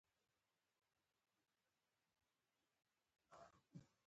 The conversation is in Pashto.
زرغونو سیمو، د بایسکل چلولو لیکو